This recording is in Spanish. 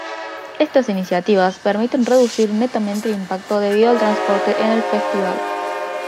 Estas iniciativas permiten reducir netamente el impacto debido al transporte en el Festival.